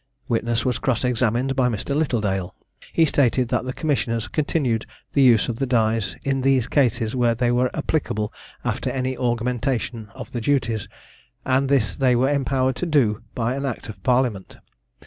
Witness was cross examined by Mr. Littledale. He stated that the commissioners continued the use of the dies in these cases where they were applicable after any augmentation of the duties, and this they were empowered to do by act of parliament.